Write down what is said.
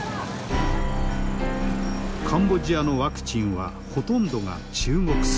カンボジアのワクチンはほとんどが中国製。